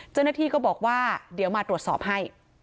เจ้าหน้าที่ก็บอกว่าเดี๋ยวมาตรวจสอบให้